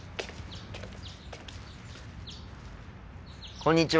こんにちは。